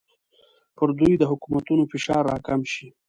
پر دوی د حکومتونو فشار راکم شي.